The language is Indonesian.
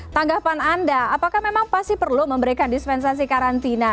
tanggapan anda apakah memang pasti perlu memberikan dispensasi karantina